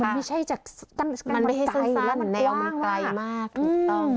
มันไม่ใช่จะมันไม่ให้เส้นแล้วแนวมันไกลมากถูกต้องค่ะ